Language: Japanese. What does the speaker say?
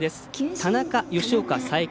田中、吉岡、佐伯。